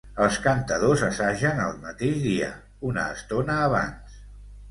Els cantadors assagen el mateix dia, una estona abans.